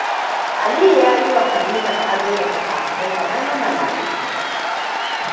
Aliyu ta yi wa Khalifat ado da fikafikai kamar na mala'iku.